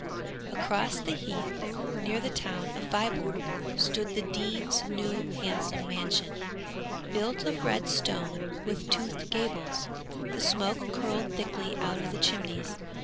'Across the heath, near the town of Viborg, stood the Dean's new, handsome mansion, built of red stone with toothed gables. The smoke curled thickly out of the chimneys.